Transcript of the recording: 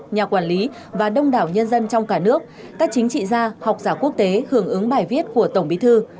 nhà quản lý và đông đảo nhân dân trong cả nước các chính trị gia học giả quốc tế hưởng ứng bài viết của tổng bí thư